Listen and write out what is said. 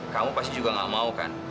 kamu pasti juga gak mau kan